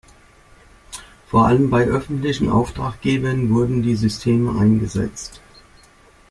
Vor allem bei öffentlichen Auftraggebern wurden die Systeme eingesetzt.